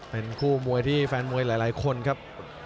เป็นคู่มวยที่แฟนมวยหลายคนครับ